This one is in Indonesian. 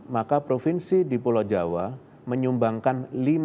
maka provinsi di pulau jawa menyumbangkan lima puluh tiga